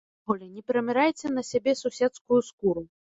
Увогуле, не прымярайце на сябе суседскую скуру.